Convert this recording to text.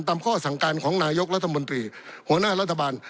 ข้อสั่งการของนายกรัฐมนตรีหัวหน้ารัฐบาล